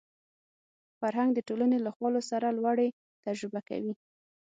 فرهنګ د ټولنې له خوالو سره لوړې تجربه کوي